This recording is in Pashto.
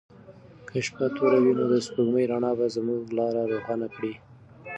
که شپه توره وي نو د سپوږمۍ رڼا به زموږ لاره روښانه کړي.